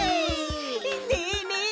ねえねえ